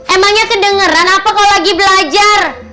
emangnya kedengeran apa kalau lagi belajar